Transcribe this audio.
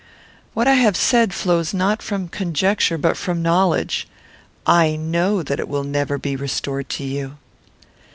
"What I have said flows not from conjecture, but from knowledge. I know that it will never be restored to you."